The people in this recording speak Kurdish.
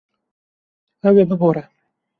Ew ê bibore.